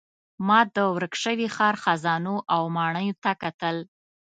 ما د ورک شوي ښار خزانو او ماڼیو ته کتل.